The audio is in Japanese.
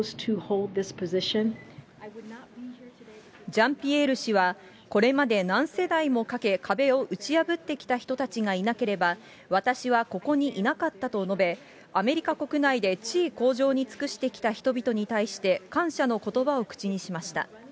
ジャンピエール氏は、これまで何世代もかけ、壁を打ち破ってきた人たちがいなければ、私はここにいなかったと述べ、アメリカ国内で地位向上に尽くしてきた人々に対して、感謝のことばを口にしました。